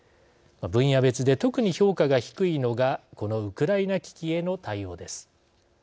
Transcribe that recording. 分野別で特に評価が低いのがこのウクライナ危機への対応です。